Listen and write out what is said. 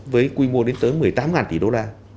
với quy mô đến tới một mươi tám tỷ đô la